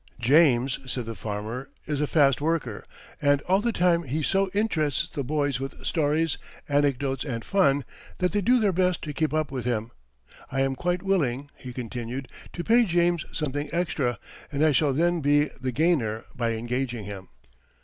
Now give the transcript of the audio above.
"James," said the farmer, "is a fast worker, and all the time he so interests the boys with stories, anecdotes, and fun, that they do their best to keep up with him. I am quite willing," he continued, "to pay James something extra, and I shall then be the gainer by engaging him."